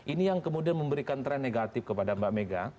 ini yang kemudian memberikan tren negatif kepada mbak mega